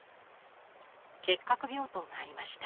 結核病棟がありました。